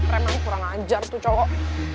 remnya lo kurang ajar tuh cowok